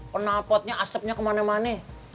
penapotnya asepnya kemana mana